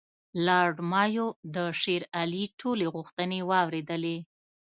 لارډ مایو د شېر علي ټولې غوښتنې واورېدلې.